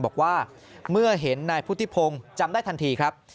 บอกว่าเมื่อเห็นนายพุทธิพงศ์จำได้ทันทีครับ